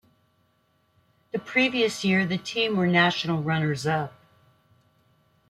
The previous year the team were national runners-up.